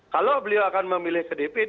kalau beliau akan memilih ke dpt